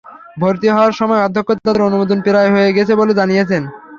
ভর্তি হওয়ার সময় অধ্যক্ষ তাঁদের অনুমোদন প্রায় হয়ে গেছে বলে জানিয়েছিলেন।